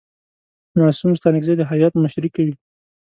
معصوم ستانکزی د هیات مشري کوي.